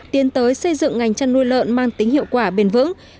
tiến tới xây dựng ngành chăn nuôi lợn mang tính hiệu quả bền vững